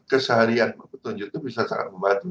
keseharian petunjuk itu bisa sangat membantu